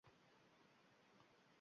Oltmishda er yigit kelbatli adib